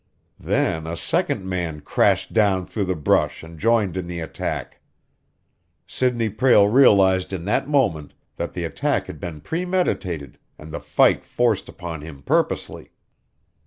Then a second man crashed down through the brush and joined in the attack. Sidney Prale realized in that moment that the attack had been premeditated and the fight forced upon him purposely.